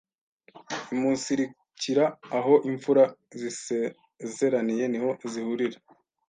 imunsirikira aho imfura zisezeraniye niho zihurira,